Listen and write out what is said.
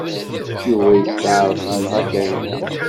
Yuba yesṭeɛref yenɣa Kahina.